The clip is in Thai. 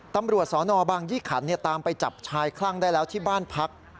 ตำรวจสนบางยี่ขันตามไปจับชายคลั่งได้แล้วที่บ้านพัก